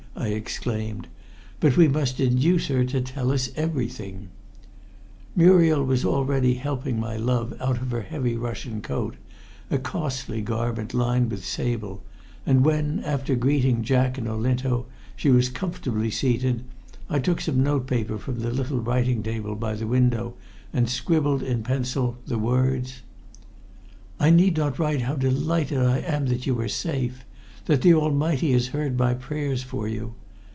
I exclaimed. "But we must induce her to tell us everything." Muriel was already helping my love out of her heavy Russian coat, a costly garment lined with sable, and when, after greeting Jack and Olinto, she was comfortably seated, I took some notepaper from the little writing table by the window and scribbled in pencil the words: "I need not write how delighted I am that you are safe that the Almighty has heard my prayers for you.